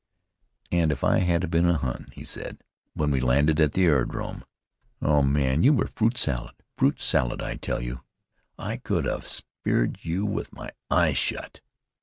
"And if I had been a Hun!" he said, when we landed at the aerodrome. "Oh, man! you were fruit salad! Fruit salad, I tell you! I could have speared you with my eyes shut."